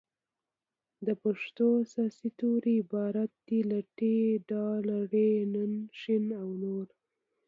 د پښتو اساسي توري عبارت دي له : ټ ډ ړ ڼ ښ او نور